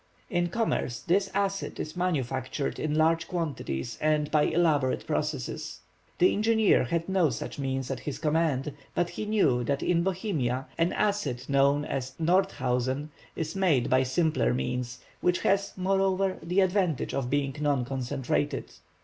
In commerce this acid is manufactured in large quantities and by elaborate processes. The engineer had no such means at his command, but he knew that in Bohemia an acid known as Nordhausen is made by simpler means, which has, moreover, the advantage of being non concentrated.